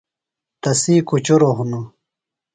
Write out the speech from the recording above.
تسی کُچُروۡ ہِنوۡ۔